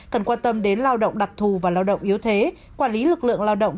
cần quan tâm đến lao động đặc thù và lao động yếu thế quản lý lực lượng lao động